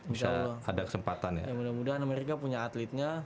bisa mudah mudahan mereka punya atletnya